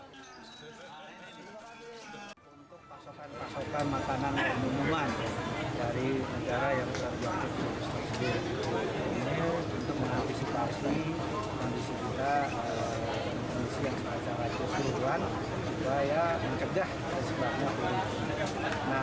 untuk pasokan pasokan makanan dan buah buahan dari negara yang tergantung